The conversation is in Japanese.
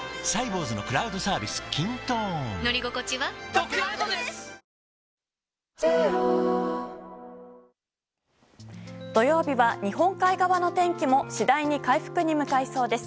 東京では日中、良く晴れて土曜日は、日本海側の天気も次第に回復に向かいそうです。